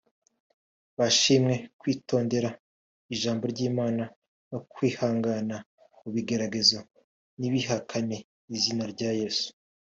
bashimwe kwitondera ijambo ry’Imana no kwihangana mu bigeragezo ntibihakane izina rya Yesu